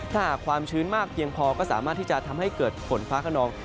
ถ้าหากความชื้นมากเพียงพอก็สามารถที่จะทำให้เกิดฝนฟ้าขนอง